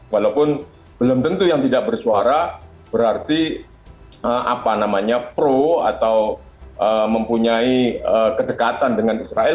walaupun belum tentu yang tidak bersuara berarti apa namanya pro atau mempunyai kedekatan dengan israel